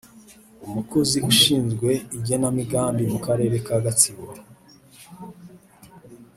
Umukozi ushinzwe Igenamigambi mu Karere ka Gatsibo